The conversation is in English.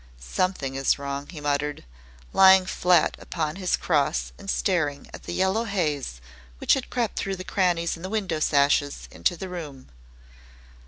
"Something is wrong," he muttered, lying flat upon his cross and staring at the yellow haze which had crept through crannies in window sashes into the room.